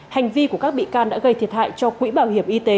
hành vi của các bị can đã gây thiệt hại cho quỹ bảo hiểm y tế